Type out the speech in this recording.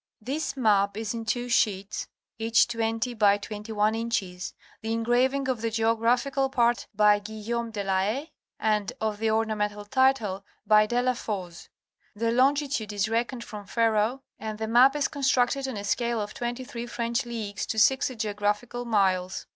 This map is in two sheets (each 20 x 21 inches), the engraving of the geographical part by Guill. de la Haye and of the ornamental title by De Lafosse. The longitude is reckoned from Ferro, and the map is constructed on a scale of 23 French leagues to 60 geographical miles.